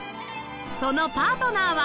そのパートナーは